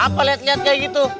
apa liat liat kayak gitu